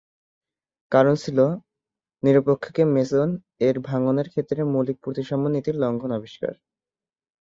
কারণ ছিল, "নিরপেক্ষ কে-মেসন-এর ভাঙনের ক্ষেত্রে মৌলিক প্রতিসাম্য নীতির লঙ্ঘন আবিষ্কার।"